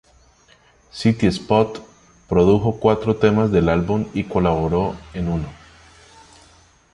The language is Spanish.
City Spud produjo cuatro temas del álbum y colaboró en uno.